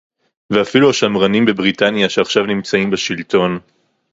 ואפילו השמרנים בבריטניה, שעכשיו נמצאים בשלטון